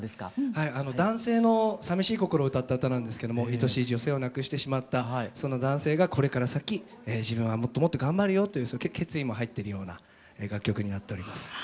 はい男性のさみしい心を歌った歌なんですけどもいとしい女性を亡くしてしまったその男性がこれから先自分はもっともっと頑張るよという決意も入ってるような楽曲になっております。